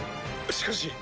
しかし。